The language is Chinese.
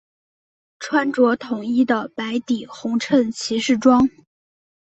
穿着统一的白底红衬骑士装。